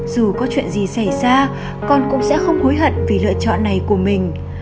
dù có chuyện gì xảy ra con cũng sẽ không hối hận vì lựa chọn này của mình